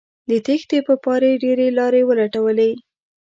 د تېښتې په پار یې ډیرې لارې ولټولې